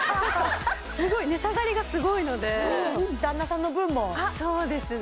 値下がりがすごいので旦那さんの分もそうですね